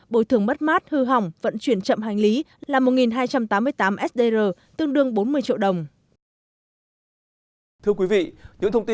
bồi thường mất mát hư hỏng vận chuyển chậm hành lý là một hai trăm tám mươi tám sdr tương đương bốn mươi triệu đồng